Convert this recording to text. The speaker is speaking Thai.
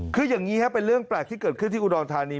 คืออย่างนี้ครับเป็นเรื่องแปลกที่เกิดขึ้นที่อุดรธานี